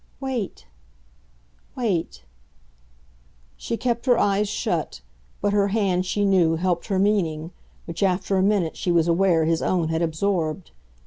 "Wait. Wait." She kept her eyes shut, but her hand, she knew, helped her meaning which after a minute she was aware his own had absorbed.